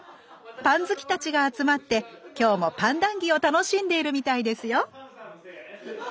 パン好きたちが集まって今日もパン談議を楽しんでいるみたいですよ